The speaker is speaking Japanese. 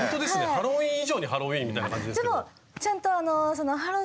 ハロウィーン以上にハロウィーンみたいな感じですけど。